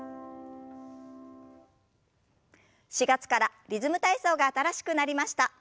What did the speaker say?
４月からリズム体操が新しくなりました。